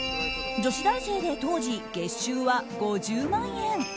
女子大生で当時、月収は５０万円。